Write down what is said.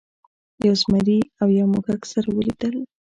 یو زمري او یو موږک سره ولیدل.